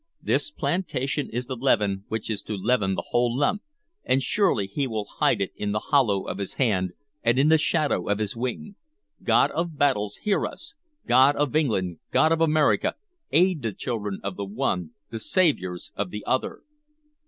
This plantation is the leaven which is to leaven the whole lump, and surely he will hide it in the hollow of his hand and in the shadow of his wing. God of battles, hear us! God of England, God of America, aid the children of the one, the saviors of the other!"